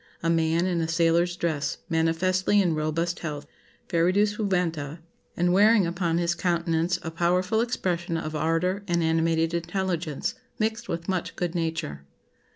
A man in a sailor's dress, manifestly in robust health, fervidus juventa, and wearing upon his countenance a powerful expression of ardour and animated intelligence, mixed with much good nature.